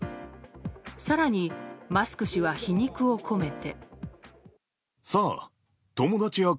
更に、マスク氏は皮肉を込めて。